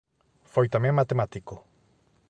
Foi tamén matemático.